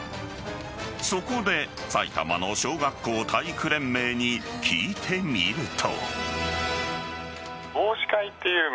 そこで埼玉の小学校体育連盟に聞いてみると。